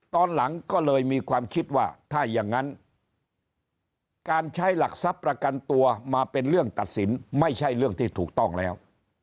ตอนหลังก็เลยมีความคิดว่าถ้าอย่างนั้นการใช้หลักทรัพย์ประกันตัวมาเป็นเรื่องตัดสินไม่ใช่เรื่องที่ถูกต้องแล้ว